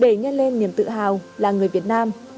để nhân lên niềm tự hào là người việt nam